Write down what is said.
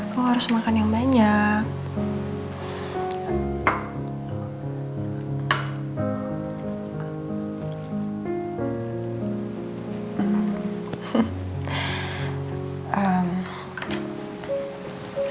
kamu harus makan yang banyak